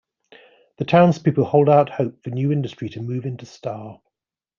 The townspeople hold out hope for new industry to move into Star.